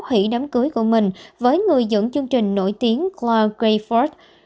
hủy đám cưới của mình với người dẫn chương trình nổi tiếng claude greyford